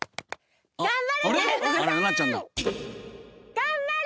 頑張れ！